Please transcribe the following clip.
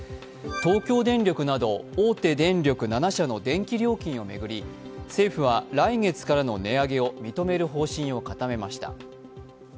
東京電力など大手電力７社の電気料金を巡り政府は来月からの値上げを認める方針を固めました。